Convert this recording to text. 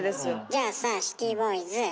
じゃあさシティボーイズ。